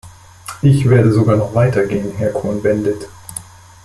Ich werde sogar noch weiter gehen, Herr Cohn-Bendit.